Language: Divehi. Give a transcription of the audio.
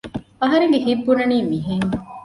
އަހަރެންގެ ހިތް ބުނަނީ މިހެން